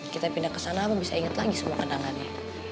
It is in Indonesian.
kita pindah ke sana aku bisa ingat lagi semua kenangannya